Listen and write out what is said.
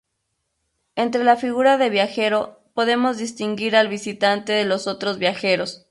Entre la figura de "viajero" podemos distinguir al "visitante" de los "otros viajeros".